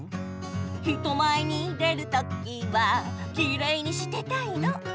「人前に出るときはきれいにしてたいの！」